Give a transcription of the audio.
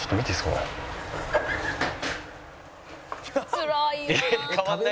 「つらいな」